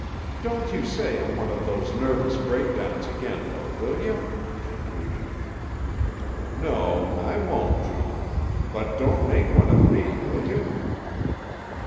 Don't you say I'm one of those nervous breakdowns again, though, will you?" she pleaded. "No, I won't, Joan. But don't make one of me, will you?"